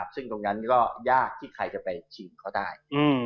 ซึ่งตรงนั้นก็ยากที่ใครจะไปชิงเขาได้